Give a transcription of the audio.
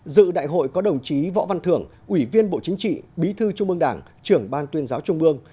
dự đại hội có đồng chí võ văn thưởng ủy viên bộ chính trị bí thư trung ương đảng trưởng ban tuyên giáo trung mương